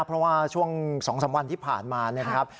เพราะว่าช่วง๒๓วันที่ผ่านมาเนี่ยนะครับ